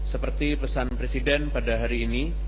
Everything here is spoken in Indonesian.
seperti pesan presiden pada hari ini